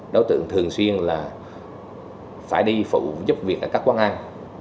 đối tượng thường xuyên là phải đi phụ giúp việc ở các quán ăn